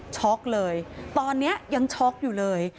เลยตอนนี้ยังช็อกอยู่เลย